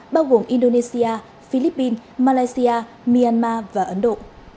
bao gồm indonesia philippines malaysia myanmar và ấn độ